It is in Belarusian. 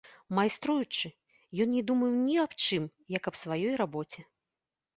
Майструючы, ён не думаў ні аб чым іншым, як аб сваёй рабоце.